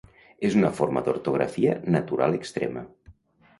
És una forma d'ortografia natural extrema.